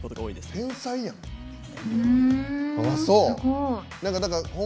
天才やん！